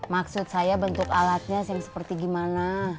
maksud saya bentuk alatnya seperti gimana